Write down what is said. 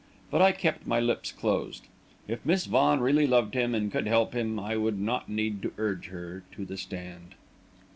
But I kept my lips closed. If Miss Vaughan really loved him, and could help him, I would not need to urge her to the stand!